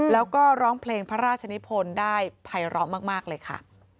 แล้วก็ร้องเพลงพระราชนิพลได้ภัยร้อมากเลยค่ะ